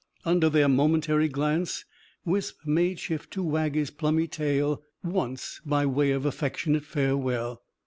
Under their momentary glance, Wisp made shift to wag his plumy tail once; by way of affectionate farewell.